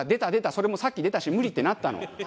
それもさっき出たし無理ってなったの。